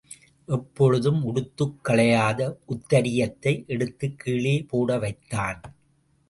எப்பொழுதும் உடுத்துக் களையாத உத்தரியத்தை எடுத்துக் கீழே போட வைத்தான்.